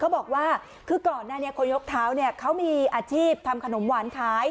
บอกว่าคือก่อนหน้านี้คนยกเท้าเนี่ยเขามีอาชีพทำขนมหวานขาย